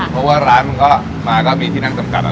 เพราะว่าร้านก็มาก็มีที่นักจำกัดก่อนด้วย